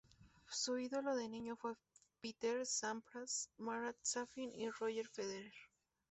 Su ídolo de niño fue Pete Sampras, Marat Safin y Roger Federer.